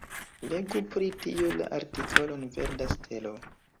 Legu pri tio la artikolon Verda stelo.